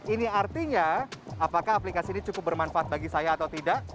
ini artinya apakah aplikasi ini cukup bermanfaat bagi saya atau tidak